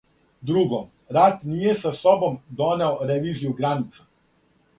Друго, рат није са собом донео ревизију граница.